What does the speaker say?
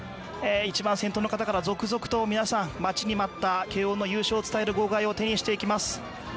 一番先頭の方から続々と、皆さん、待ちに待った慶応の優勝を伝える号外を手にしています。